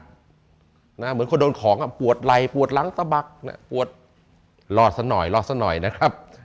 เหมือนคนโดนของปวดไหลปวดหลังสะบักปวดลอดสักหน่อยนะครับ